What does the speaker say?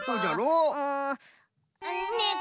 うんねえ